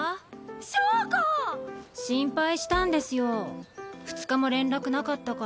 硝子！心配したんですよ２日も連絡なかったから。